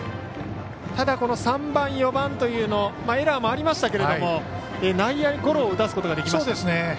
ただ、この３番、４番というのはエラーもありましたけども内野ゴロを打たせることができました。